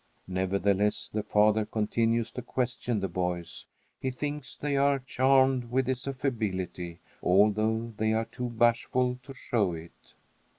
Nevertheless the father continues to question the boys. He thinks they are charmed with his affability, although they are too bashful to show it.